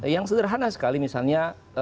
yang sederhana sekali misalnya